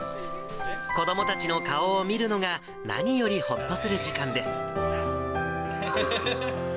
子どもたちの顔を見るのが何よりほっとする時間です。